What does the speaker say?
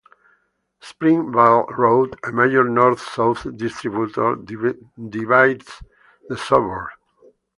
Springvale Road, a major north-south distributor, divides the suburb.